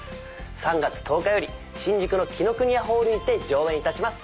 ３月１０日より新宿の紀伊國屋ホールにて上演します。